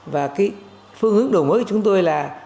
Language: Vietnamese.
và phương hướng đổi mới của chúng tôi là